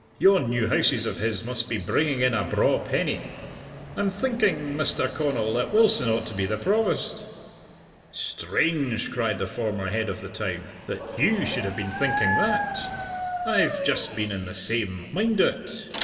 Yon new houses of his must be bringing in a braw penny. I'm thinking, Mr. Connal, that Wilson ought to be the Provost!" "Strange!" cried the former Head of the Town, "that you should have been thinking that! I've just been in the same mind o't.